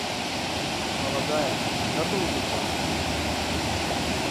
Маладая, гадоў за дваццаць.